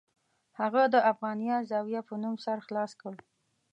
هغه د افغانیه زاویه په نوم سر خلاص کړ.